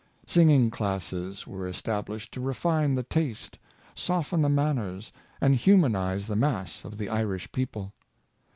Singing classes were established to refine the taste, soften the manners, and humanize the mass of the Irish people.